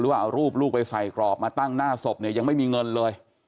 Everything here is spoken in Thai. ว่าเอารูปลูกไปใส่กรอบมาตั้งหน้าศพเนี่ยยังไม่มีเงินเลย